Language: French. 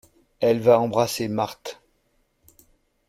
Elle va embrasser Marthe.